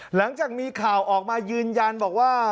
หลังจากมีข่าวออกมายืนยันบอกว่า